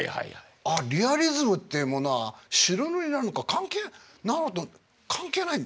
あっリアリズムっていうものは白塗りなんか関係関係ない。